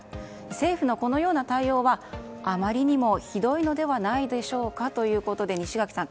政府のこのような対応はあまりにもひどいのではないでしょかということで西垣さん